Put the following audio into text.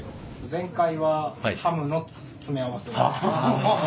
前回はハムの詰め合わせ。